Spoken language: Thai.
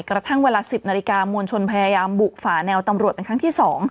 กระทั่งเวลา๑๐นาฬิกามวลชนพยายามบุกฝาแนวตำรวจเป็นครั้งที่๒